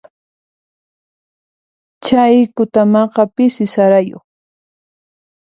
Chay kutamaqa pisi sarayuq.